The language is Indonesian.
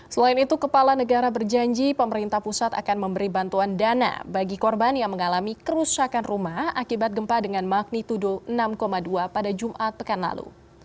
selain itu kepala negara berjanji pemerintah pusat akan memberi bantuan dana bagi korban yang mengalami kerusakan rumah akibat gempa dengan magnitudo enam dua pada jumat pekan lalu